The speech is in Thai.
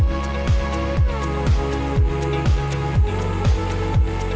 โคห์หรือโกลโคห์ใช่ไหมโคห์ใช่ไหม